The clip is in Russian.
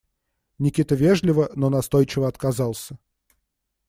Никита вежливо, но настойчиво отказался.